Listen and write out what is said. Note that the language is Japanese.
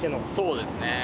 そうですね。